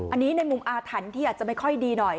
อันนี้ในมุมอาถรรพ์ที่อาจจะไม่ค่อยดีหน่อย